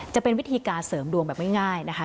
จะเป็นวิธีการเสริมดวงแบบง่ายนะคะ